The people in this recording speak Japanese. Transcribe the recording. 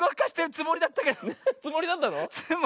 つもりだったの。